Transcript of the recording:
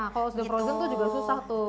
kalau sudah frozen tuh juga susah tuh